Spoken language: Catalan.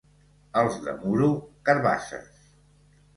Els de Muro, carabasses.